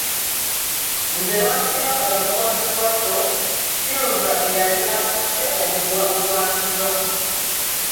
Nze bansiba omugwa mu kiwato, Silver eyali akutte omugwa ogwansiba.